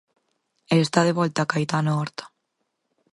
E está de volta Caetano Horta.